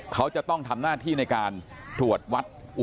เขาจะต้องทำหน้าที่ในการถวดวัดไข้ไม่ได้นะครับ